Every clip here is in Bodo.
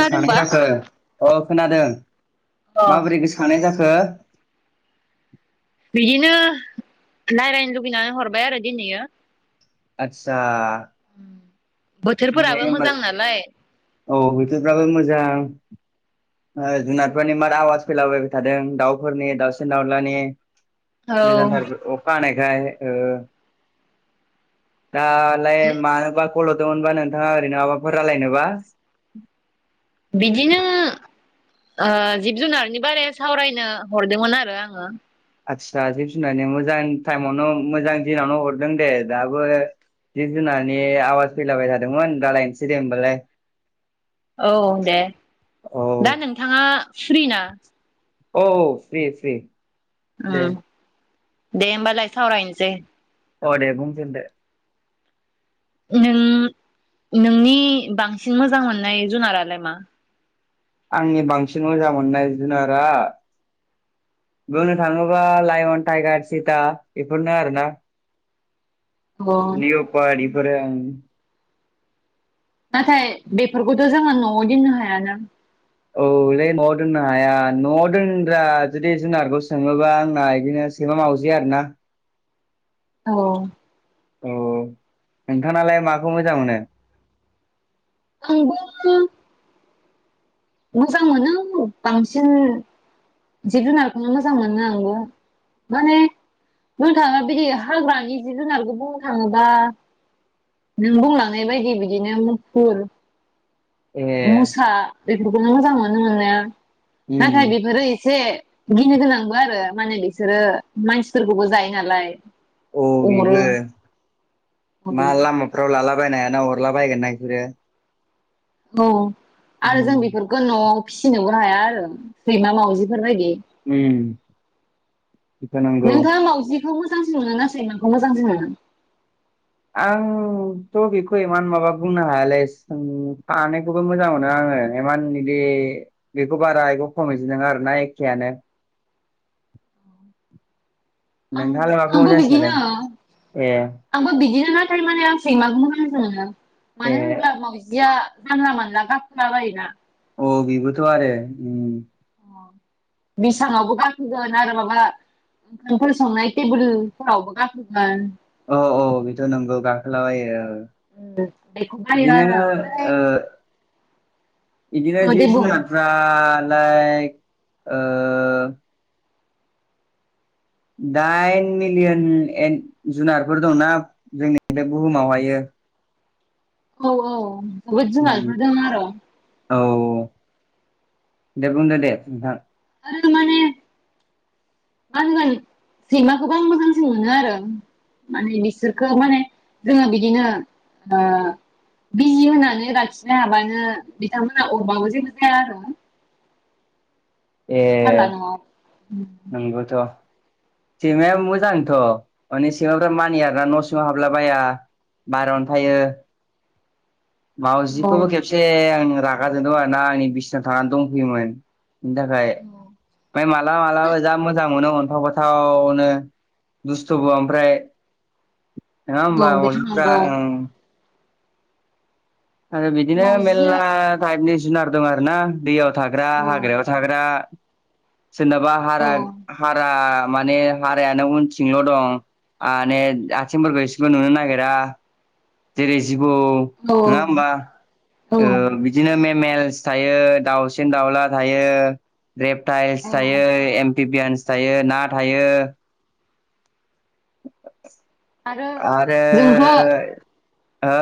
गोसोखानाय जाखो अ खोनादों अ माबोरै गोसोखांनाय जाखो? बिदिनो रायज्लायनो लुबैनानै हरबाय आरो दिनैयो आतसा बोथोरफोराबो मोजां नालाय औ बोथोरफ्राबो मोजां जुनारफोरनि मार आवाज फैलाबायबाय थादों दाउफोरनि दाउसिन दाउलानि औ [inaudible] मोजां थार अखा हानायखाय दालाय मानोबा ख ल'दोंमोनबा नोंथाङा ओरैनो माबाफोर रायलायनोबा बिदिनो जिब जुनारनि बारै सावरायनो हरदोंमोन आरो आङो आदसा जिब जुनारनि मोजां टाइमावनो मोजां दिनावनो हरदों दे दाबो जिब जुनारनि आवाज फैलाबाय थादोंमोन रायालायनोसै दे होमबालाय औ दे औ दा नोंथाङा फ्रि ना? औ फ्रि फ्रि औ‌ दे दे होनोमबालाय सावरायनोसै अ दे बुंफिनदो नों नोंनि बांसिन मोजां मोननाय जुनारालाय मा? आंनि बांसिन मोजां मोननाय जुनारा बुंनो थाङोबा लायअन टाइगार चिता बेफोरनो आरोना अ लिरबाय बेफोरो ओम नाथाय बेफोरखौथ' जोंङो न'आव दिननो हायाना औलै न'आव दोननो हाया न'आव दोनग्रा जुदि जुनारखौ सोङोबा आंना इदिनो सैमा मावजि आरो ना औ औ नोंथांनालाय माखौ मोजां मोनो आंबो मोजां मोनो बांसिन जिब जुनारखौनो मोजां मोनो आंबो माने नोंथाङा बिदि हाग्रानि जिब जुनारखौ बुंनो थाङोबा नों बुंलांनाय बायदि बिदिनो मुफुर ए मुसा बेफोरखौनो मोजां मोनो मोननाया उम नाथाय बेफोरो एस से गिनो गोनांबो आरो माने बिसोरो मानसिफोरखौबो जायो नालाय अ अरो बेबो मा लामाफ्राव लाब बायनो हायाना अरला बायगोन ना इसोरो औ आरो जों बेफोरखौ न'आव फिसिनोबो हाया आरो सैमा मावजिफोर बायदि उम बेथ नंगौ खौ मोजांसिन मोनोना सैमाखौ मोजांसिन मोनो आंथ' बेखौ इमान माबा बुंनो हायालै सों सानैखौबो मोजां मोनो आं [unintelligible] इमान बिदि बेखौ बारा बेखौ खम इदि नङा आरोना एखेयानो [unintelligible] आं नोंथाङालाय माखौ आंबो मोजांसिन मोनो बिदिनो ए आंबो बिदि नाथाय माने आं सैमाखौ मोजांसो ए मानो होनब्ला मावजिया जानला मोनला गाखोला बायोना औ बिबोथ' आरो उम बेसाङावबो गाखोगोन आरो माबा ओंखामफोर संनाय टेबोलफोरावबो गाखोगोन औ औ बेथ' नंगौ गाखोलाबायो औ बेखौ बायो आरो बिदिनो आं ओमफ्राय ओ बिदिनो औ दे जिब बुं जुनारफ्रा लाइक ओ दाइन मिलियन एन जुनारफोर दंना जोंनि बे बुहुमावहायो औ औ बुहुद उम जुनारफोर दों आरो औ दे बुंदो दे नोंथां आरो माने [unintelligible] [unintelligible] सैमाखौबो आं मोजांसिन मोनो आरो माने बिसोरखौ माने जोङो बिदिनो ओ बिजि होनानै राखिनो हाबानो बिथांमोनहा अरबाबो जेबो जाया आरो [unintelligible] नवाव नोंगौथ' सैमाया मोजांथ' माने सैमाफ्रा मानियो आरोना न' सिङाव हाबला बाया बारावनो थायो [inaudible] औ मावाजिखौबो खेबसे आं रागा जोंदोंमोन आंनि बिसिनाव थाना दंफैयोमोन बिनि थाखाय फाय मालाबा मालाबा जा मोजां मोनो अन्थाव बाथावनो दुस्थ'बो ओमफ्राय नोङा होमबा औ बेथ' नंगौ [unintelligible] ओं आरो बिदिनो मावजि मेरला थाइपनि जुनार दं आरो ना दैयाव थाग्रा औ हाग्रायाव थाग्रा सोरनाबा औ हारा हारा माने हारायानो उनथिंल' दं माने आथिंफोरखौ एसेबो नुनो नागिरा जेरै जिबौ औ नङा होमबा औ ओ बिदिनो मेमेल सायो दावसिन दावला थायो रेबताइस औ थायो एम [unintelligible] यान्स थायो ना थायो आरो जोंथ' हो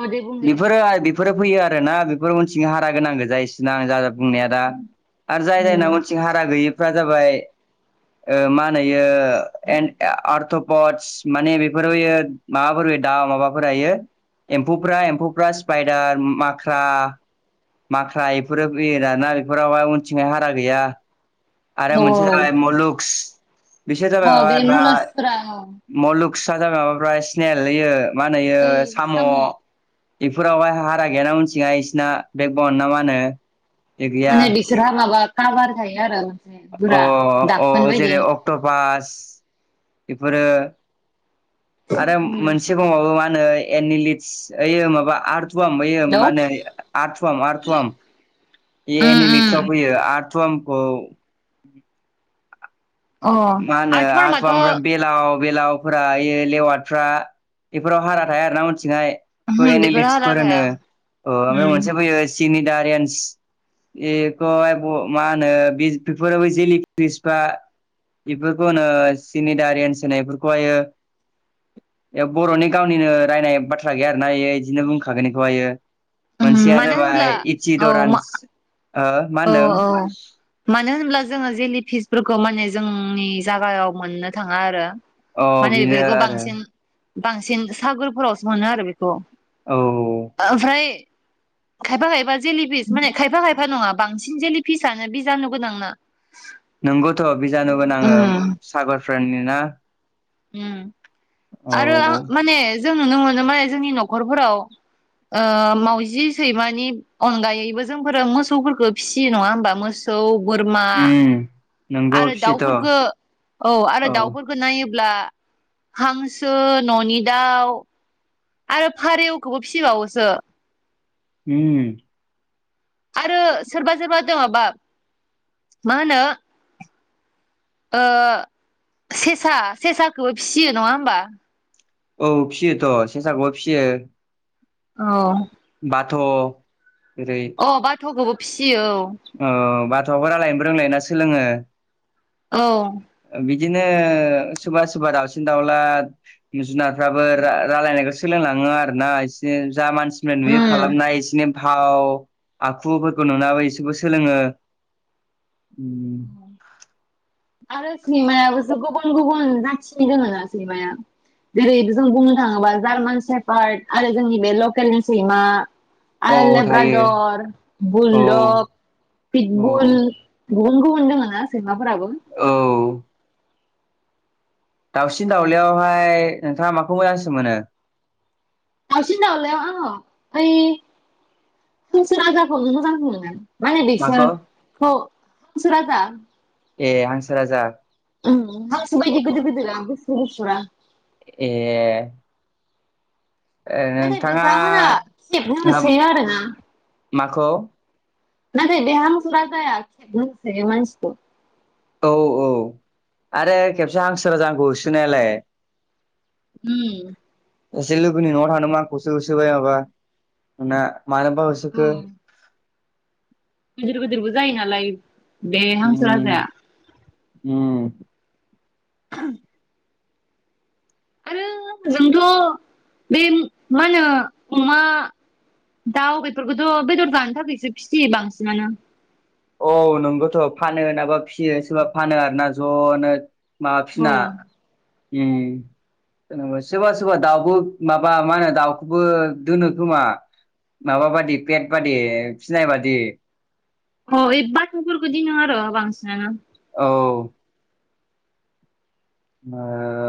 अ दे बुं दे बेफोरो बेफोरो फैयो आरोना बेफोर उनथिं हारा गोनां गोजा इसोना आं जा जा बुंनाया दा आरो जाय जायनाव उनथिं हारा गैयिफ्रा जाबाय मा होनोयो एन आरथपटस माने बेफोरबो माबाफोर दा माबाफोर एम्फौफ्रा एम्फौफ्रा स्पाइडार माख्रा माख्रा बेफोरो [unintelligible] बेफोरावहाय उनथिंहाय हारा गैया आरो औ मोनसे जाबाय मुलुक्स बिसोर जाबाय औ माबा बे आरोना मुलासफोरा औ मलुक खुसा जाबाय माबाफ्राय स्नेल इयो मा होनोयो साम' बेफोरावहाय हारा गैयाना उनथिंहाय बिसिना बे बन ना मा होनो बे गैया माने बिसोरहा माबा काभार जायो आरो अ गोरा दाखोन अ बायदि जेरै [unintelligible] बेफोरो आरो हेलौ मोनसे बाव माबाया मा [unintelligible] मा होनो एनिलितस यैयो माबा [unintelligible] [unintelligible] आथुआम आथुआम बेयो उम उम एनिलिसाव फैयो थोमखौ अ मा होनो आरो आथुवा धरमाथ' ओफ्राय बेलाव बेलावफोरा लेवार्डफ्रा बेफोराव हारा थाया आरोना मोनसे [unintelligible] बे बेफोर हाला एनालितसफोर होनो थाया ओमफ्राय उम मोनसे फैयो सिनिटारियान्स बेखौहाय मा होनो बे बेफोराव जेलि फ्रिस बा बेफोरखौनो सिनि दारियन्स होनायफोरखौहायो बर'नि गावनिनो रायनाय बाथ्रा गैया आरोना यियो यिदिनो बुंखागोन बेखौ आयो उम मोनसेया मानो जाबाय इच दरान्स औ-औ मानो होनब्ला जोङो जे फिसफोरखौ माने जोंनि जागायाव मोननो थाङा आरो अ माने बेनो बेफोरखौ आरो बांसिन बांसिन सागोरफोरावसो मोनो आरो बेखौ औ ओमफ्राय खायफा खायफा जेलि फिस माने खायफा खायफा नङा बांसिन जे फिसआनो बिजानु गोनां ना नोंगौथ' बेजानुगोनाङो सागरफ्रोनिना ओम आरो आं माने जों नुनो मोनोमोन जोंनि न'खरफोराव माउजि सैमानि अनगायैबो जोंफोरो मोसौफोरखौ फिसियो नङा होमबा मोसौ बोरमा उम नोंगौ आरो फियोथ' औ दाउफोरखौ औ आरो दाउफोरखौ नाय नायोब्ला हांसो न'नि दाउ आरो फारेवखौबो फिसिबावोसो उम आरो सोरबा सोरबा दङाबा मा होनो ओ सेसा सेसाखौबो फिसियो नङा होमबा औ फिसियोथ' सेसाखौबो फिसियो औ बाथ' ओेरै थौखौबो फिसियो ओ‌ बाथ'आबो रायलायनोबो रोंलायना सोलोङो औ बिदिनो सोरबा सोरबा दाावसिन दाउला जुनारफ्राबो रायलायनायखौ सोलोंलाङो आरोना एसे जा मानसि मानसि नुयो उम खालामनाय एसिनि भाव आखुफोरखौ [unintelligible] सोलोङो आरो सिनेमायाबोसो गुबुन गुबुन जाथिनो दङोना सैमाया जेरै जों बुंनो थाङोबा जार्मान सेपार्ट आरो जोंनि बे लकेलनि सैमा औ आरो थायो लेब्रादर औ बुलदक औ पिकबुल गुबुन गुबुन दङना सैमाफोराबो औ दाउसिन दाउलियावहाय नोंथाङा माखौ मोजांसिन मोनो दावउसिन दाउलायाव आङ ओइ हांसो राजाखौनो मोजांसिन माखौ मोनो [unintelligible] ए हांसो राजा उम हांसो बायदि गिदिर [unintelligible] ए ओ नाथाय नोंथाङा बिथांमोना खेबनो होसोयो आरोना माखौ नाथाय बे हांसो राजाया खेबनो होसोयो मानसिखौ औ औ आरे खेबसे हांसो राजा आंखौ होसोनायालाय उम सासे लोगोनि न'आव थांदोंमोन आंखौसो होसोबाय माबा ना मानोबा उम होसोखो गिदिर गिदिरबो जायो नालाय बे हांसो उम राजाया उम [unintelligible] आरो जोंथ' बे मा होनो अमा दाउ बेफोरखौथ' बेदर जानो थाखायसो फियो बांसिनानो औ नोंगथ' फानो नाबा फियो सोरबा फानो आरोना ज'नो माबाफिना अ उम सोरबा सोरबा दाउबो माबा मा होनो दाउखौबो दोनो खोमा माबा बादि पेट बादि फिनाय बादि औ [unintelligible] दिनो आरो बांसिनानो औ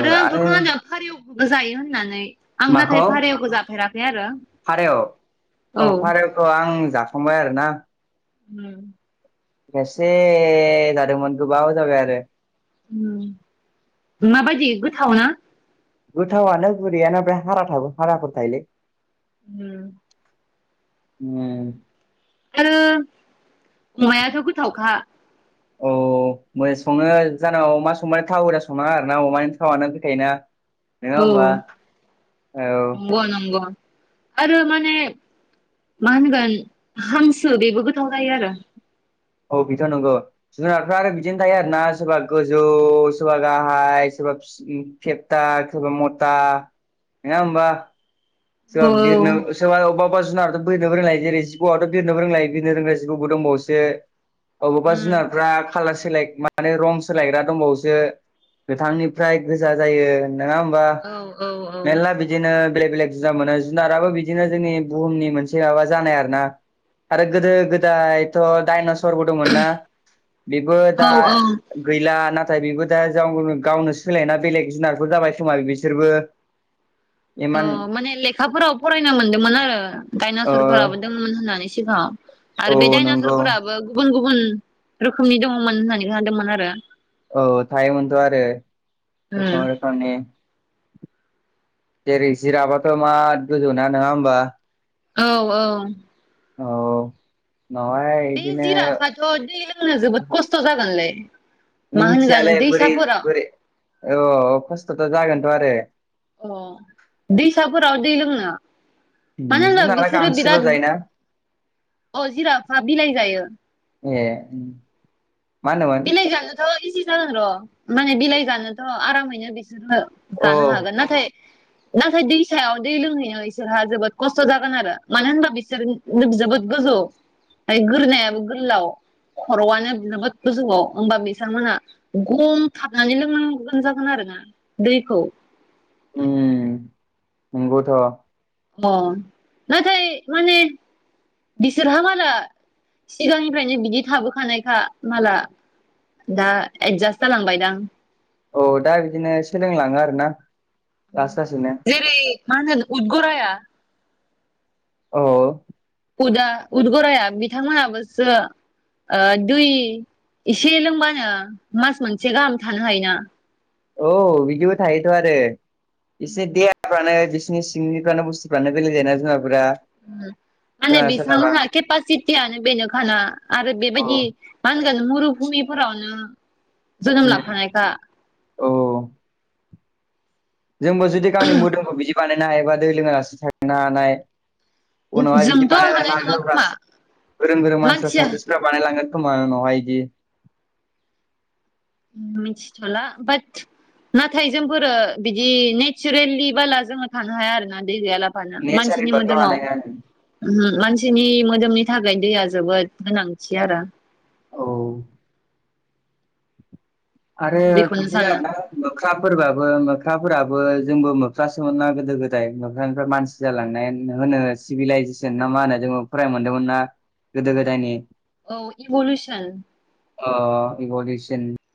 आरो आंथ' खोनादों फारौखौबो जायो होननानै आं नाथाय माखौ फारौखौ जाफेराखै आरो फारौ औ फारौखौ आं जाफ खांबाय आरो ना उम खेबसे जादोंमोन गोबाव जाबाय आरो उम माबायदि गोथाव ना गोथावानो गुरैयानो ओमफ्राय हारा थाबो हाराफोर थायोलै उम उम आरो अमायाथ' गोथावखा औ मो सङो जानांगौ अमा संबाथाय थाव होना संनाङा आरोना अमानि थावानो फैखायोना नङा औ होमबा औ नंगौ नंगौ आरो माने मा होनगोन हांसो बेबो गोथाव जायो आरो औ बेथ' नंगौ जुनारफ्रा आरो बिदिनो थायो आरोना सोरबा गोजौ सोरबा गाहाय सोरबा सोरबा फिस फेपटा सोरबा मता नङा होमबा [unintelligible] बिरनो औ [unintelligible] अ जुनार' [unintelligible] जेरै जिबौआवथ' बिरनोबो रोंलायो बिनो रोंग्रा जिबौबो दंबावोसो अबेबा उम जुनारफ्रा खालार सोलाय माने रं सोलायग्रा दंबावसो गोथांनिफ्राय गोजा जायो नङा होमबा औ औ औ मेलला बिदिनो बेलेग बेलेग जुदा मोनो जुनाराबो बिदिनो जोंनि बुहुमनि मोनसे माबा जानाय आरो ना आरो गोदो गोदायथ' दडाइनस रबो दंमोन ना बेबो औ दा औ गैला ना थाय बेबो दा [unintelligible] गावनो सोलायना बेलेग जुनारफोर जाबाय खोमा बिसोरबो औ एमान माने लेखाफोराव फरायनो मोनदोंमोन आरो ओ डाइनसवरफोराबो दंमोन होननानै सिगाङाव आरो औ बे नंगौ डाइनासरफोराबो गुबुन गुबुन रोखोमनि दङमोन होननानै खोनादोंमोन आरो औ थायो मोनथ' आरो गोबां उम रोखोमनि जेरै जिराबाथ' मा गोजौना नङा होमबा औ औ औ उनावहाय बे बिदिनो जिराफाथ' दै लोंनो जोबोद खस्थ' जागोनलै मा होनगोन मिन्थियालै बोरै दैसाफोराव बोरै औ खस्थ'थ' जागोनथ' आरो अ दैसाफोराव दै लोंनो मानो उम होनब्ला जुनारा बिसोरो गांसोल' बिराद जायोना [unintelligible] अ जिराफा बिलाइ जायो। ए मा होनोमोन बिलाइ जानोथ' इजि जागोन र' माने बिलाइ जानोथ' आरामैनो बि [unintelligible] औ हागोन नाथाय नाथाय दैसायाव दै लोंहैनायाव बिसोरहा जोबोद खस्थ' जागोन आरो मानो होनबा बिसोर जोबोद गोजौ ओमफ्राय गोरोनायाबो गोलाव खर'आनो बिनो [unintelligible] गोजौआव होमबा बिथांमोनहा गम थाबनानै लोंनांगोन जागोन आरो ना दैखौ उम नंगौथ' अ नाथाय माने बिसोरहा माला सिगांनिफ्रायनो बिदि थाबोखानायखा माला दा एडजास्ट जालांबाय दां औ दा बिदिनो सोलों लाङो आरो ना जेरै मा होनो उद गराया औ उदा उद गराया बिथांमोनाबोसो ओ दुइ एसे लोंबानो मास मोनसे गाहाम थानो हायोना औ बिदिबो थायोथ' आरो बिसिनि देहाफ्रानो बि सिनि सिंनिफ्रानो बुस्तुफ्रानो बेले जायो ना जुनारफोरा उम माने सोरनाबा सोरनाबा बिथांमोनहा केपासिटियानो बेनो खाना आरो औ बेबायदि मा [unintelligible] मुरुभुमिफोरावनो जोनोम उम लाखानायखा औ जोंबो जुदि गावनि मोदोमखौ बिदि बानायनो हायोबा दै लोङालासे थानो हानाय उनावहाय बिदि जोंथ' हानाय बानायलांनो हाग नङा खोमा [unintelligible] गोरों गोरों मानसिफ्रा मानसिया साइन्टिस्टफ्रा बानायलांगोन खोमा नङा इदि मिथिथला बात नाथाय जोंफोरो बिदि नेचारेलि बाला जोङो थानो हाया आरोना दै गैला मानसिनि नेचारेलबाथ' मोदोमाव हानाय नङा [unintelligible] बिनि मोदोमनि थाखाय दैया जोबोद गोनांथि आरो औ आरो बेखौनो बिदिनो सानो आरोना मोख्राफोरबाबो मोख्रा फोराबो जोंबो मोख्रासोमोनना गोदो गोदाय मोख्रानिफ्राय मानसि जालांनाय होनो सिभिलाइज जोंना मा होनो जोङो फरानो मोनदोंमोनना गोदो गोदायनि औ इभलुसन इभलिसन